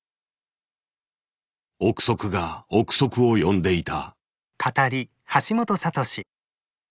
臆測が臆測を呼んでいた。